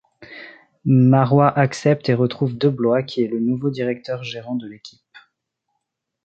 Marois accepte et retrouve Deblois qui est le nouveau directeur gérant de l'équipe.